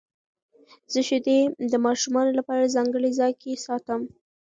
زه شیدې د ماشومانو لپاره ځانګړي ځای کې ساتم.